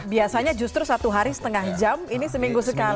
biasanya justru satu hari setengah jam ini seminggu sekali